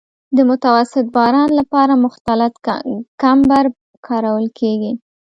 د متوسط باران لپاره مختلط کمبر کارول کیږي